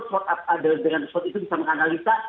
swot itu bisa menganalisa